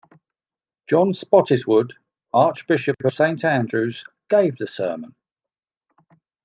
John Spottiswoode, Archbishop of Saint Andrews gave the sermon.